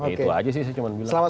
itu aja sih saya cuma bilang